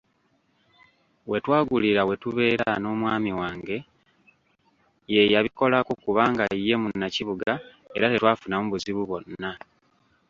We twagulira we tubeera n’omwami wange, y'eyabikolako kubanga ye munnakibuga era tetwafunamu buzibu bwonna.